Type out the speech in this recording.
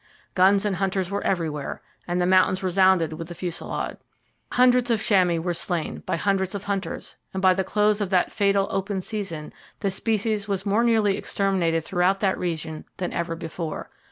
Guns and hunters were everywhere, and the mountains resounded with the fusillade. Hundreds of chamois were slain, by hundreds of hunters; and by the close of that fatal "open season" the species was more nearly exterminated throughout that region than ever before.